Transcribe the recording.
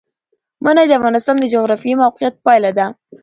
منی د افغانستان د جغرافیایي موقیعت پایله ده.